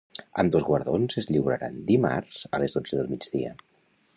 Ambdós guardons es lliuraran dimarts a les dotze del migdia.